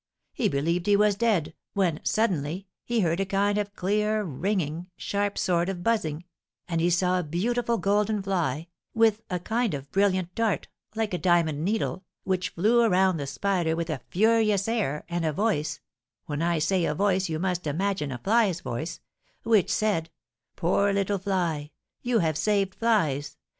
He believed he was dead, when suddenly he heard a kind of clear, ringing, sharp sort of buzzing, and he saw a beautiful golden fly, with a kind of brilliant dart, like a diamond needle, which flew around the spider with a furious air, and a voice (when I say a voice you must imagine a fly's voice) which said, 'Poor little fly! You have saved flies!